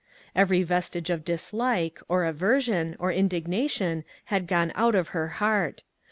Every vestige of dis like, or aversion, or indignation had gone out of her heart.